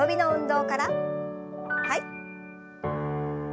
はい。